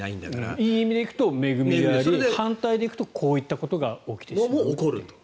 いい意味で行くと恵みであり反対で行くとこういったことが起きてしまうという。